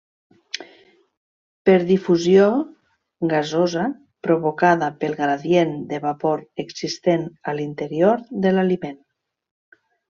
Per difusió gasosa provocada pel gradient de vapor existent a l'interior de l'aliment.